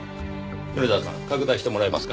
米沢さん拡大してもらえますか？